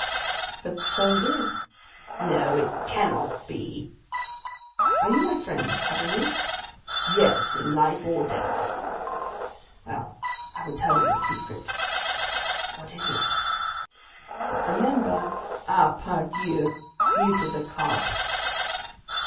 "But so it is." "No, it cannot be!" "Are you my friend, Caderousse?" "Yes, in life or death." "Well, I will tell you a secret." "What is it?" "But remember——" "Ah! pardieu! mute as a carp."